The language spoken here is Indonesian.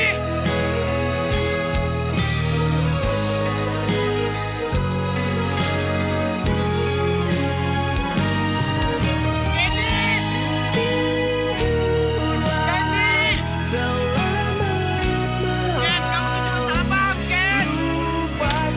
ken kamu tuh cuma salah paham ken